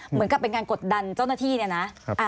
เหมือนกับเป็นการกดดันเจ้าหน้าที่เนี่ยนะ